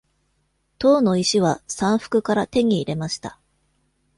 塔の石は山腹から手に入れました。